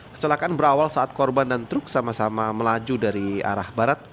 kecelakaan berawal saat korban dan truk sama sama melaju dari arah barat